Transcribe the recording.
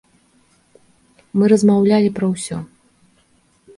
Мы размаўлялі пра ўсё.